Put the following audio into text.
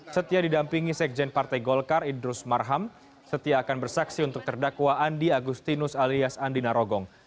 setia didampingi sekjen partai golkar idrus marham setia akan bersaksi untuk terdakwa andi agustinus alias andi narogong